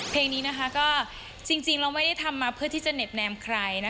เพลงนี้นะคะก็จริงเราไม่ได้ทำมาเพื่อที่จะเน็บแนมใครนะคะ